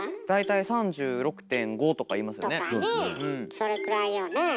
それくらいよね。